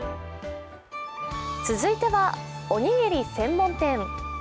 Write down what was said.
続いては、おにぎり専門店。